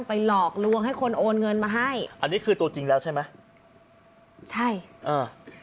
หลอกลวงให้คนโอนเงินมาให้อันนี้คือตัวจริงแล้วใช่ไหมใช่อ่า